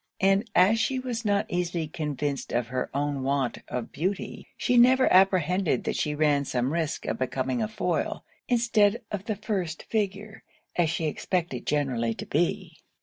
And as she was not easily convinced of her own want of beauty, she never apprehended that she ran some risk of becoming a foil, instead of the first figure, as she expected generally to be.